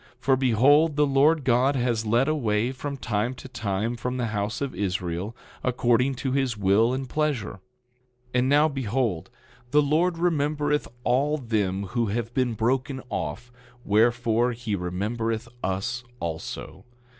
10:22 For behold, the Lord God has led away from time to time from the house of Israel, according to his will and pleasure. And now behold, the Lord remembereth all them who have been broken off, wherefore he remembereth us also.